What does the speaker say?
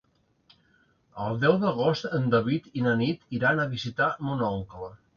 El deu d'agost en David i na Nit iran a visitar mon oncle.